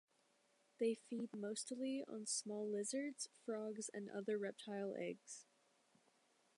They feed mostly on small lizards, frogs, and other reptile eggs.